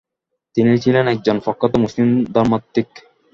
তিনি ছিলেন একজন প্রখ্যাত মুসলিম ধর্মতাত্ত্বিক।